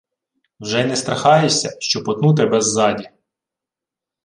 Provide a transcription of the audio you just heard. — Вже й не страхаєшся, що потну тебе ззаді.